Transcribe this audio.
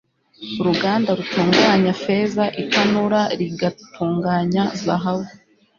uruganda rutunganya feza, itanura rigatunganya zahabu